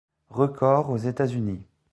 Records aux États-Unis.